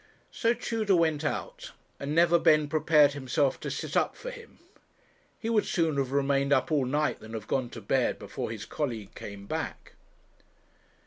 So Tudor went out, and Neverbend prepared himself to sit up for him. He would sooner have remained up all night than have gone to bed before his colleague came back.